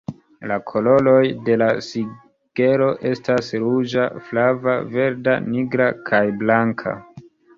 La koloroj de la sigelo estas ruĝa, flava, verda, nigra kaj blanka.